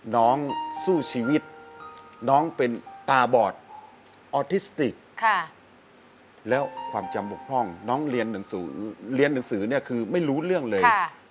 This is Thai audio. น้องสู้ชีวิตน้องเป็นตาบอดออทิสติกแล้วความจำบกพ่องน้องเรียนหนังสือคือไม่รู้เรื่องเลย